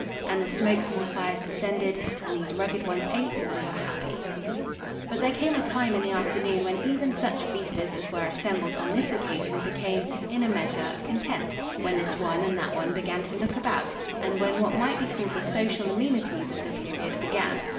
And the smoke from the fires ascended and these rugged ones ate and were happy. But there came a time in the afternoon when even such feasters as were assembled on this occasion became, in a measure, content, when this one and that one began to look about, and when what might be called the social amenities of the period began.